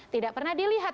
tidak pernah dilihat